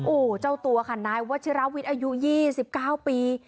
โอ้โหเจ้าตัวค่ะนายวัชิราวิทย์อายุ๒๙ปี